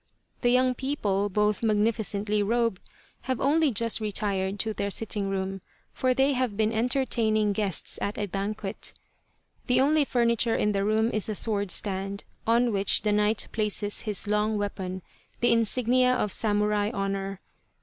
The young people, both magnificently robed, have only just retired to their sitting room, for they have been entertaining guests at a banquet. The only furniture in the room is a sword stand, on which the knight places his long weapon, the insignia of samurai honour.